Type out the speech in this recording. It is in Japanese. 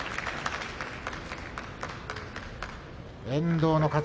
遠藤の勝ち。